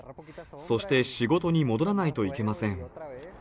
そして、仕事に戻らないといけません。